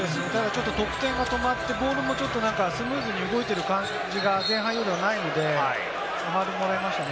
得点が止まって、ボールもスムーズに動いている感じが前半よりはないので、今、ファウルもらいましたね。